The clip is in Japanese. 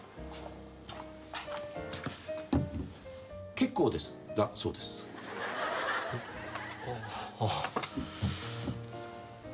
「結構です」だそうです。ああ。